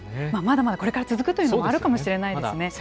まだまだこれから続くというのもあるかもしれませんね。